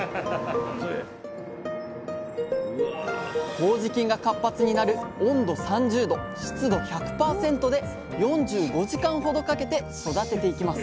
こうじ菌が活発になる温度３０℃湿度１００％で４５時間ほどかけて育てていきます